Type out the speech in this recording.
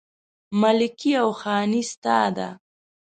ملکي او خاني ستا ده